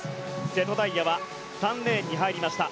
瀬戸大也は３レーンに入りました。